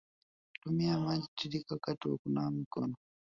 tumia maji tiririka wakati wa kunawa mikono